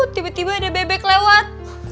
tiba tiba ada bebek lewat